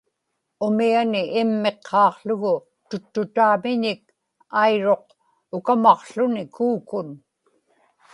umiani immiqqaaqługu tuttutamiñik airuq ukamaqłuni kuukun